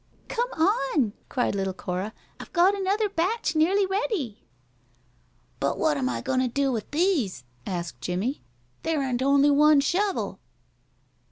"Come on," cried little Cora. "I've got another batch nearly ready." "But what am I goin' to do with these?" asked Jimmie. "There ain't only one shovel."